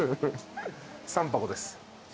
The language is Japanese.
３箱です。